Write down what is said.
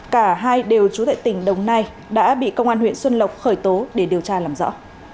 cả hai đều trú tại tỉnh đồng nai đã bị công an huyện xuân lộc khởi tố để điều tra làm rõ